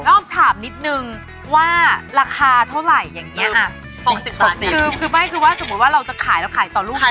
อ้อมถามนิดนึงว่าราคาเท่าไหร่อย่างนี้๖๐๖๐คือไม่คือว่าสมมุติว่าเราจะขายเราขายต่อลูก